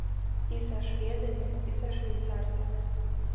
І са шведамі, і са швейцарцамі.